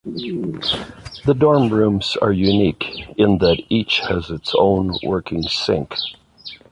The dorm rooms are unique in that each has its own working sink.